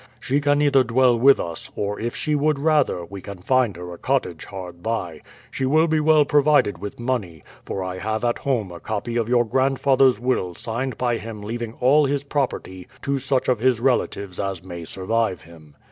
She can either dwell with us, or, if she would rather, we can find her a cottage hard by. She will be well provided with money, for I have at home a copy of your grandfather's will signed by him leaving all his property to such of his relatives as may survive him.